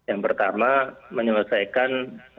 yang pertama menyelesaikan